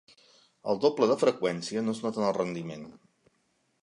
El doble de freqüència no es nota en el rendiment.